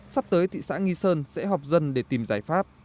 sắp tới thị xã nghi sơn sẽ họp dân để tìm giải pháp